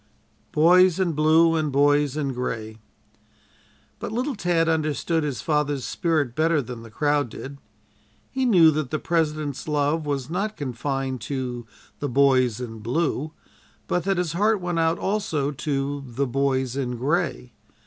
"BOYS IN BLUE" AND "BOYS IN GRAY" But little Tad understood his father's spirit better than the crowd did. He knew that the President's love was not confined to "the Boys in Blue," but that his heart went out also to "the Boys in Gray."